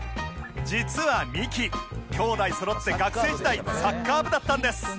実はミキ兄弟そろって学生時代サッカー部だったんです